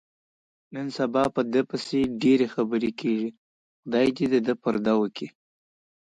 نن سبا په ساره پسې ډېرې خبرې کېږي. خدای یې دې پردې و کړي.